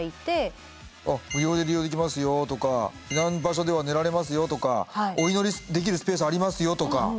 「無料で利用できますよ」とか「避難場所では寝られますよ」とか「お祈りできるスペースありますよ」とか。